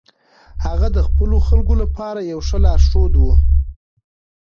هغه د خپلو خلکو لپاره یو ښه لارښود و.